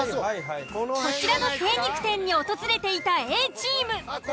こちらの精肉店に訪れていたＡチーム。